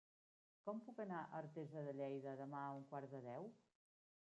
Com puc anar a Artesa de Lleida demà a un quart de deu?